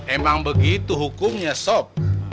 emang begitu hukumnya sob